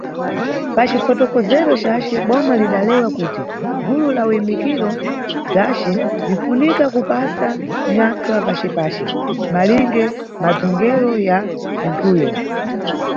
Pacifokotozero cace, Boma lidalewa kuti "gulu la uyimikiro bzwace linfunika kupasa nyathwa pacepace, malinge madzongero ya bzwinthuyo".